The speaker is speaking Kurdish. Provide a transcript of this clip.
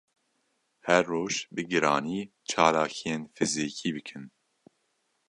Her roj bi giranî çalakiyên fizikî bikin